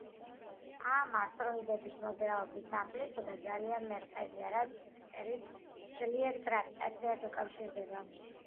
ამ ასტეროიდების მოძრაობის ამპლიტუდა ძალიან მერყევია, რაც იუპიტერის ძლიერ გრავიტაციას უკავშირდება.